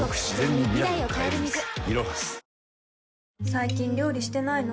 最近料理してないの？